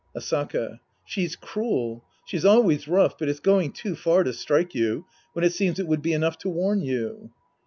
Asaka. She's cruel ! She's always rough, but it's going too far to strike you, when it seems it would be enough to warn you.